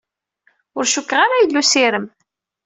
Ur cukkeɣ ara yella usirem.